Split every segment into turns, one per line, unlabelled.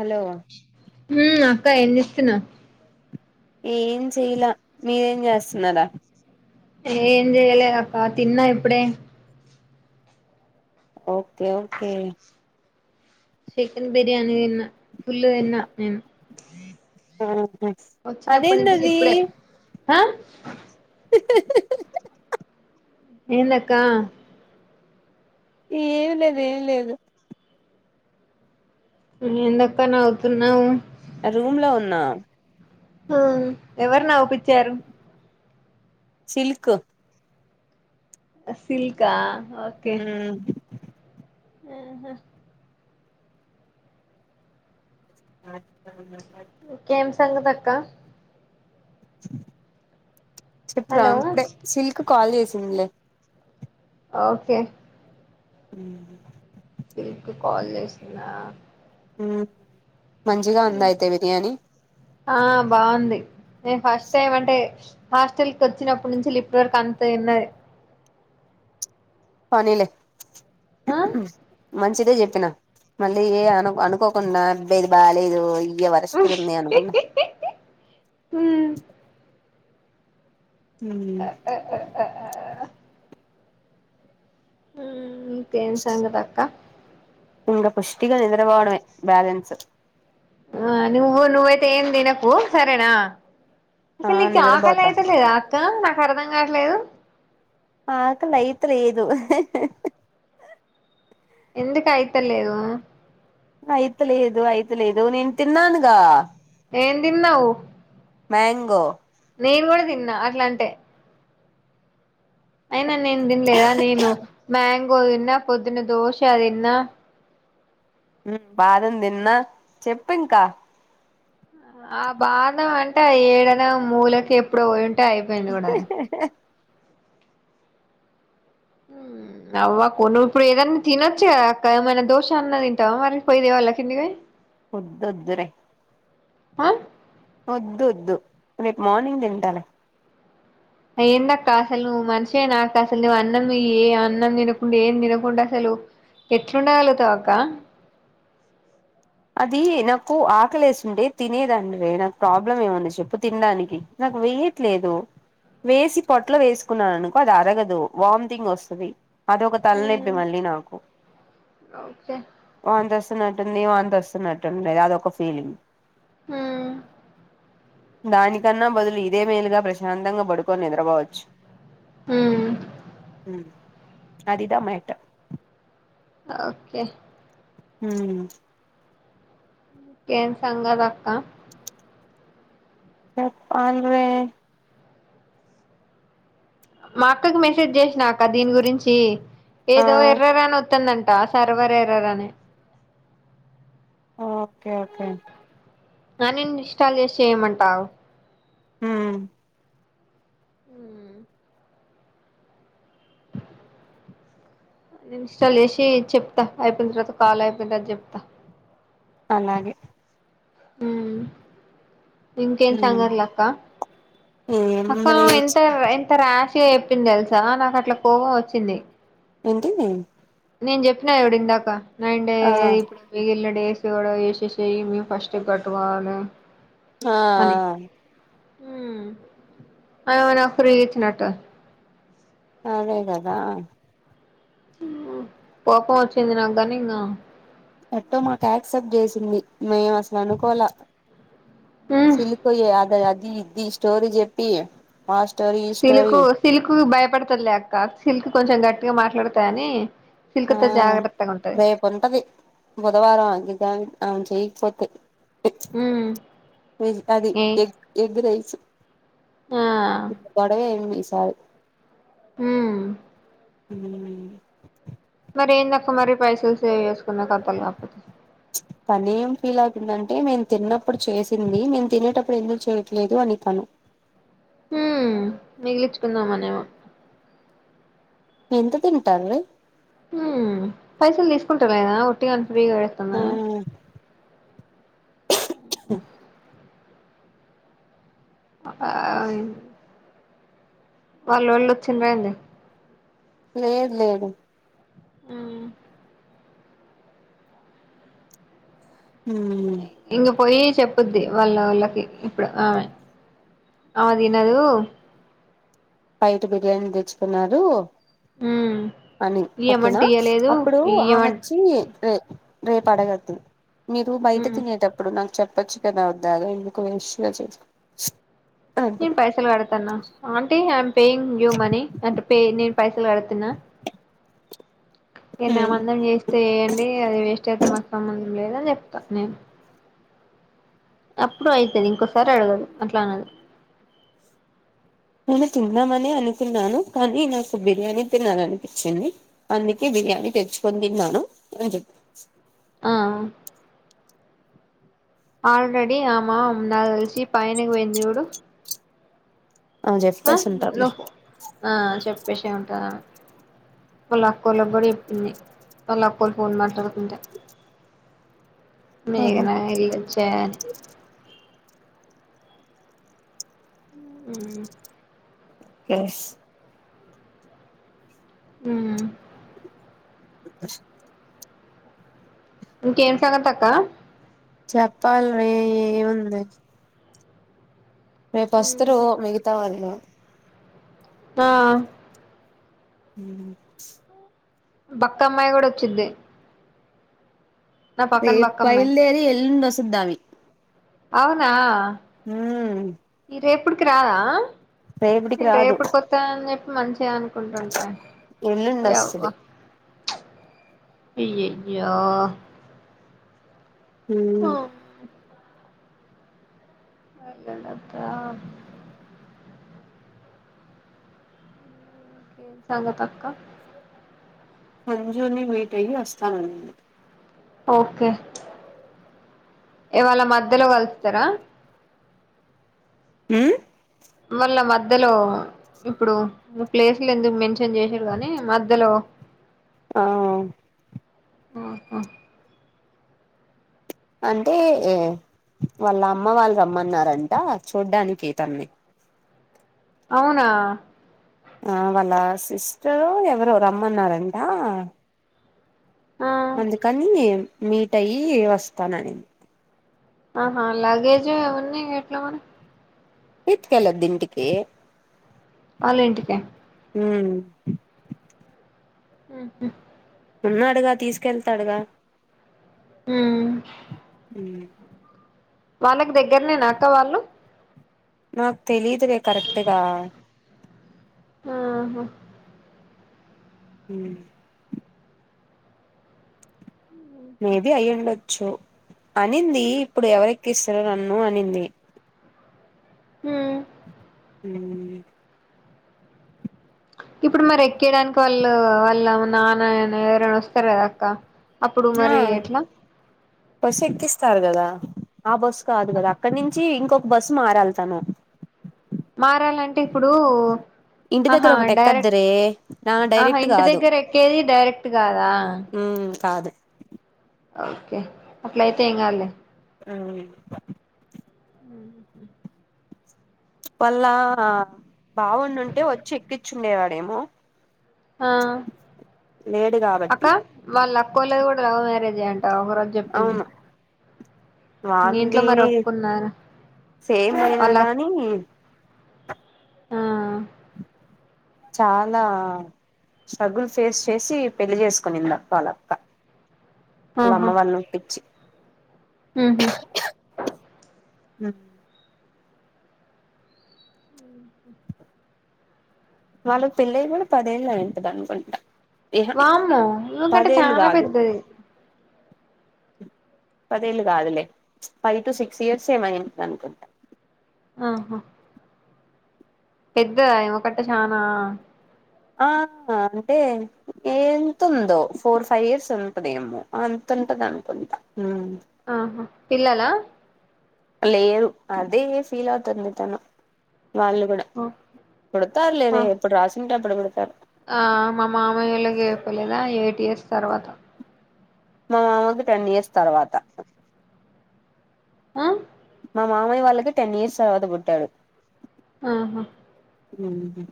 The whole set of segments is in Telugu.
హలో
ఊ అక్క ఏం చేస్తున్నావ్
ఏం చెయ్యలా మీరేం జెస్తన్నారా
ఏం జెయలేదు అక్క తిన్నా ఇప్పుడే
ఓకే ఓకే
చికెన్ బిర్యానీ తిన్న ఫుల్గా తిన్న నేను
ఆహా
వచ్చినప్పటి నుంచి
అదేందది
ఇప్పుడే హా
హా హా హా
ఏందక్క
ఏమి లేదు ఏమి లేదు
ఎందక్క నవుతున్నావు
రూమ్ లో ఉన్నా
హా ఎవరు నౌపిచ్చారు
సిల్కు
ఆ సిల్కా
ఉం
హు హామ్
[inaudible]
ఇంకేం సంగతి అక్క
చెప్పు రా
హలో
ఇప్పుడే సిల్క్ కాల్ చేసిందిలే
ఓకే
ఉం
సిల్కు కాల్ చేసిందా
ఆ మంచిగా ఉందా అయితే బిర్యానీ
ఆ బావుంది నేను ఫస్ట్ టైం అంటే హాస్టల్ కి వచ్చినప్పుడి నుంచి లిప్పటి వరకు అంత ఉన్నది
పోనీలే
ఆ
మంచిదే చెప్పినా మళ్ళీ ఏ అను అనుకోకుండా అబే యిది బాలేదు ఇగ వరస్ట్ గుంది అనుకున్న [inaudible] ఉం
ఆ ఆ ఆ ఉం ఇంకేం సంగతి అక్క
ఇంగా పుష్టిగా నిద్రబోవడమే బ్యాలెన్స్
ఆ నువ్వు నువ్వైతే ఏమ్ దినకూ సరేనా
ఆ
అసలు నీకు ఆకలి
నిద్రపోతా
అయితలేద అక్క నాకు అర్థం కావట్లేదు
ఆకలి ఐత లేదు
ఎందుకు ఐతలేదు
ఐత లేదు ఐత లేదు నేను తిన్నానుగా
ఏం తిన్నావ్
మ్యాంగో
నేను గుడా తిన్నా అట్ల అంటే అయినా నేను తినలేదా నేను మ్యాంగో తిన్నా పొద్దున్న దోశ తిన్నా
ఉం బాదం తిన్నా చెప్పు ఇంకా
ఆ బాదం అంటే ఈడనా మూలకి ఎప్పుడో పోయి ఉంటే అయిపోయింది కూడా ఉం అవ్వా కొ నువు ఇప్పుడు ఏదైన్నా తినొచ్చా అక్క ఏమైనా దోష అన్న తింటావా మరి పోయిదేవా వాళ్ళ కిందివి
వద్దోద్దు రే
ఆ
వద్దు వద్దు రేపు మార్నింగ్ తింటాలే
ఏంద అక్క అసలు నువ్వు మనిషే నా అక్క అసలు నువ్వు అన్నం ఏ అన్నం తినకుండ ఏం తినకుండా అసలు ఎట్లుండా గలుగుతావు అక్క
అది నాకు ఆకలి వేసుండే తినేదండి నాకు ప్రాబ్లం ఏముంది చెప్పు తినడానికి నాకు వెయట్లేదు వేసి పొట్లో వేసుకున్నాను అనుకో అది అరగదు వామిటింగ్ వస్తుంది అది ఒక తలనొప్పి మళ్ళీ నాకు
చ
వాంత వస్తున్నట్టుంది వాంత వస్తున్నట్టు అదొక ఫీలింగ్
హ్మ్
దానికన్నా బదులు ఇదే మేలుగా ప్రశాంతంగా పడుకొని నిద్రపోవచ్చు
హ్మ్
అదిదా మేటర్
ఓకే
హ
ఏం సంగతి అక్క
చెప్పలే
మా అక్కకి మెసేజ్ చేసినా అక్క దీని గురించి
ఆ
ఏదో ఎర్రర్ అని వతుందంట సర్వర్ ఎర్రర్ అని
ఓకే ఓకే
అని ఇస్టాల్ చేసి చెయమంటాగు
హ్మ్
ఉ నేను ఇన్స్టాల్ చేసి చెప్తా అయిపోయిన తర్వాత కాల్ అయిపోయిన తరావాత చెప్తా
అలాగే
అ ఇంకేం
ఉమ్
సంగతులు అక్క
ఏం
అక్క
రే
ఎల్టా ఎంత రాష్ గా చెప్పింది తెలుసా నాకు అట్లా కోపం వచ్చింది
ఏంటినే
నేను చెప్పినా చూడు ఇందాక నంటే
ఆ
ఇప్పుడు మిగిలిన డేస్ కూడా వేసి చేయ మేము ఫస్ట్ కట్టువను
ఆ
ఆమె ఏదో ఫ్రీగా ఇచ్చినట్టు
అదేకదా
కోపం వచ్చింది నాకు కనింక
ఎట్టో మాకు యాక్సెప్ట్ చేసింది మేము అసలు అనుకోలా
ఉమ్
సిల్కోయ అద అది ఇది స్టోరీ చెప్పి ఆ స్టోరీ ఈ స్టోరీ
సిల్క్ భయపడతుంది లే అక్క సిల్క్ కొంచెం గట్టిగా మాట్లాడతా అని సిల్కొ తో జాగ్రత్త గుంటది
కొంటది బుధవారం ఆను చేయకపోతే
ఉ
వెజ్ అది ఎగ్ ఎగ్ రైస్
ఆ
తడవే ఏమిసార్
హ
హ్మ్
మరి ఏందక్క మరి పైసలు సేవ్ చేసుకున్నాక కాకపోటి
[inaudible] తని ఏం ఫీల్ అవుందంటే నేను తిన్నప్పుడు చేసింది నేను తినేటప్పుడు ఎందుకు చేయట్లేదు అని తను
హుమ్ మిగిలిచుకుందామనేమో
ఎంత తింటారు
ఉ పైసలు తీసుకుంట లేదా ఒట్టిగాని ఫ్రీగా వేస్తంద
[inaudible]
ఆ వాల్లోళ్ళు వచ్చి పోయింది
లేదు లేదు
ఉ
హ
ఇంగ పోయి చెప్పుద్ది వాళ్ళ వాళ్ళకి ఇప్పుడు ఆమె ఆమె తినదు
పైట్ బిర్యానీ తెచ్చుకున్నారు
హ్మ్
అని ఓకేనా
ఇయ్యమంటే ఇయ్యలేదు
అప్పుడు ఆమ
ఇయ్యమం
వచ్చి రే రేపు అడగద్దు మీరు బయట
హ్మ్
తినేటప్ ఇప్పుడు నాకు చెప్పొచ్చుకదా వద్దాగా ఇందుకు వేస్ట్గా చే
నేను పైసలు కడతన్న aunty I'm paying you money అంటే పే నేను పైసల్ కడుతున్నా
ఉమ్
ఎన్నిమంధం చేస్తే ఏంది అది వేస్ట్ అయితే మాకు సంబంధం లేదని చెప్తా నేను అప్పుడు అయితది ఇంకోసారి అడగదు అట్లా అన్నది
నేను తిందామని అనుకున్నాను కానీ నాకు బిర్యానీ తినాలనిపించింది అందుకే బిర్యానీ తెచ్చుకొని తిన్నాను
ఆ ఆల్రెడీ ఆమ నాకు దెలిసి పైనికు పోయింది జూడు ఆ
చెప్పేసి ఉంటారులే
నువ్వు ఆ చెప్పేసి ఉంటద వాళ్ళ అక్కోళ్ళ కూడా చెప్పింది వాళ్ళ అక్కోళ్ళ ఫోన్ మాట్లాతుంట
ఆహా
మేఘనా ఏరిచ్చే ఉ
కష్
ఆ
[inaudible]
ఇంకేం సంగత అక్క
చెప్పాలి మే ఏముంది రేపు అస్తరు మిగతా వాళ్ళు
ఆ
ఉ
బక్క అమ్మాయి కూడా వచ్చిద్ది నా పక్కన
రేప్
బక్కమ్మాయి
బయల్దేరి ఎల్లుండి వసద్దావి
అవునా
ఊ
ఈ రేపుటికి రాదా
రేపటికి
నేను
రాదు
రేపుడుకి వత్తాఅని జెప్పి మంచిగ కుంటుంటే
ఎల్లుండి వస్తది
ఓయ్అవ్వ అయ్య అయ్యో
ఉమ్
హో అదా ఏ సంగత అక్క
సంంజూని మీట్ అయ్యి వస్తానుండి
ఓకే ఇవాళ మధ్యలో కలుత్తరా
ఉమ్
మళ్ళ మధ్యలో ఇప్పుడు ప్లేసులేందుకు మెన్షన్ చేసిరు గనీ మధ్యలో
ఆవు
ఆహా
అంటే ఏ వాళ్ళమ్మ వాళ్ళు రమ్మన్నారంట చూడ్డానికి తన్ని
అవునా
ఆ వాళ్ళ సిస్టరు ఎవరో రమ్మన్నారంట
ఆ
అందుకని మీటయి వస్తానని
ఆహా లగేజ్ అవన్నీ ఎట్ల మరీ
ఇత్కల దింటికి
ఆళ్ళ ఇంటికి
ఉమ్
ఉహు
ఉన్నాడుగా తీసుకెళ్తాడుగా
ఉమ్
ఉమ్
వాళ్ళకి దగ్గరనేనాక్క వాళ్ళు
నాకు తెలీదులే కరెక్ట్గా
ఆహా
ఉమ్ మేబి అయ్యిండొచ్చు అనింది ఇప్పుడు ఎవరెక్కిస్తారో నన్ను అనింది
ఉమ్
ఉమ్
ఇప్పుడు మరేక్కేయడానికి వాళ్ళు వాళ్ళ నాన్న ఎవరైన వస్తరు కదక్క
ఆ బస్సు ఎక్కిస్తారు కదా ఆ బస్ కాదు కదా అక్కడ నుంచి ఇంకొక బస్సు మారళ్తాను
మారాలంటే ఇప్పుడు
ఇంటి
ఆహ
దగ్గర ఒకటి
డైరెక్ట్
ఎక్కద్దురే నా
ఆహా
డైరెక్ట్
ఇంటి
కాదు
దగ్గర ఎక్కేది డైరెక్ట్ కాదా
ఉమ్ కాదు
ఓకే అట్లేతే ఏయింగాదులే
అవు ప
ఉమ్
వాళ్ళ బావుండుంటే వచ్చి ఎక్కించుండేవాడేమో
ఆ
లేడు
అక్క
కాబట్టి
వాళ్ళుక్క్కవలది కూడా లవ్ మ్యారేజ్ అయ అంట ఒక రోజు చెప్పింది
అవును
మీ ఇంట్లో
వాంది
మరి ఒప్పుకున్నారా
సేమ్ అయినా
వాళ్ళ అక్-
గానీ
ఆ
చాలా స్ట్రగుల్ ఫేస్ చేసి పెళ్లి చేసుకునిందక్క వాళ్క్క అలా
ఆహా
అమ్మ వాళ్ళనోప్పచ్చి
ఉహు
ఉమ్ వాళ్ళ పెళ్లై కూడా పదేళ్ళు అయి ఉంటది అనుకుంటా ఇహ
వామ్మో ఈమె కంటే
పదేలు
చానా
కాదు
పెద్దది
పదేళ్ళు కాదులే ఫైవ్ టు సిక్స్ ఇయర్స్ ఏ యో అయింట అనుకుంటా
ఆహ పెద్ద ఒకటి చానా
ఆహ అంటే ఎంతు ఉందో ఫోర్ ఫైవ్ ఇయర్స్ ఉంటదేమో అంత ఉంటది అనుకుంటా
ఆహ పిల్లల
లేరు, అదే ఫీల్ అవుతుంది. తను వాళ్లు కూడ పుడతారు
ఆ
లేవే ఎప్పుడు రాసి ఉంటే అప్పుడు పుడతారు.
ఆ మా మామయ్య వాళ్లకి చెప్పలేదా? ఎయిట్ ఇయర్స్ తర్వాత?
మా మామకి టెన్ ఇయర్స్ తర్వాత.
ఆ.
మా మామయ్య వాళ్లకి టెన్ ఇయర్స్ తర్వాత పుట్టాడు.
ఆహ
ఊహు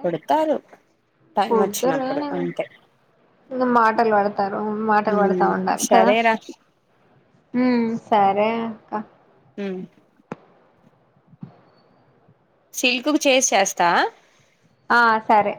పుడతారు టైమ్ వచ్చినప్పుడు అంతే.
ణంగ, మాటలు పడతారు. మాటలు పడుతా ఉండాలి కదా?
సరేరా
ఉమ్ సరే అక్క.
ఉ సిల్క్ కు చేసి, చేస్తా.
ఆ సరె